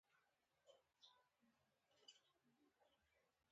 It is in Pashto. یو ځل به یې هډوکي ته کاته په غوسه.